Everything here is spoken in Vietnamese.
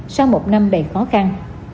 sau một năm đầy khó khăn